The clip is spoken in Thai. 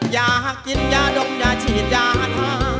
อยากกินยาดมยาฉีดยาทา